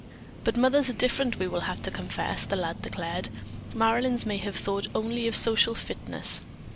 "But mothers are different, we will have to confess," the lad declared. "Marilyn's may have thought only of social fitness."